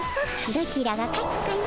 どちらが勝つかの。